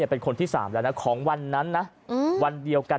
เป็นคนที่๓แล้วนะของวันนั้นนะวันเดียวกัน